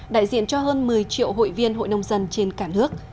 đại diện cho hơn một mươi triệu hội viên hội nông dân trên cả nước